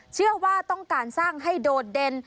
เชื่อว่าต้องการสร้างให้โดดเด่น